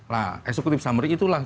nah eksekutif summary itulah